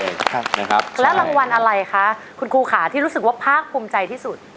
แล้วรางวัลอะไรคะคุณครูขาที่รู้สึกว่าภาคภูมิใจที่สุด